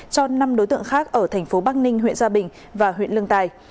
cho năm đối tượng khác ở thành phố bắc ninh huyện gia bình và huyện lương tài